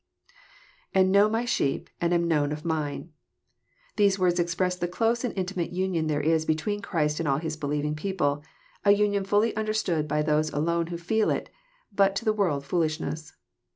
[^And know my sheep, and am known of mine.'] These words express th^ close and intimate anion there is between Ciirtst and all His believing people, a union understood fully by those alone who feel it, but to the world foolishness.